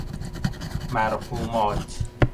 مرقومات